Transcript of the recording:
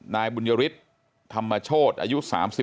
นายบุญยฤทธิ์ธรรมโชธอายุ๓๔